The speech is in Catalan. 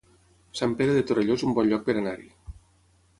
Sant Pere de Torelló es un bon lloc per anar-hi